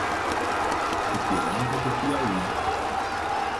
Ipiranga do Piauí